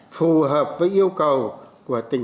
phù hợp với yêu cầu của tỉnh